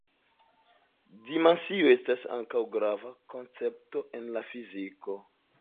Dimensio estas ankaŭ grava koncepto en la fiziko.